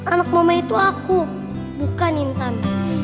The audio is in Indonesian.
anak mama itu aku bukan intan